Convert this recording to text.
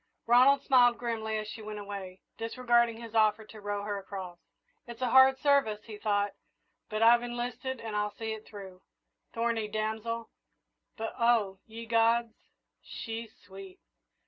Ronald smiled grimly as she went away, disregarding his offer to row her across. "It's a hard service," he thought, "but I've enlisted and I'll see it through. Thorny damsel; but oh, ye gods, she's sweet!"